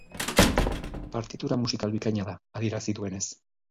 Partitura musikal bikaina da, adierazi duenez.